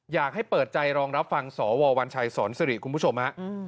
อยากให้เปิดใจรองรับฟังสววัญชัยสอนสิริคุณผู้ชมฮะ